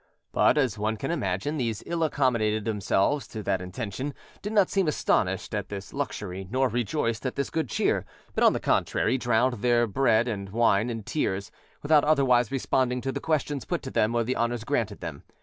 But, as one can imagine, these ill accommodated themselves to that intention, did not seem astonished at this luxury nor rejoiced at this good cheer, but, on the contrary, drowned their bread and wine in tears, without otherwise responding to the questions put to them or the honours granted them.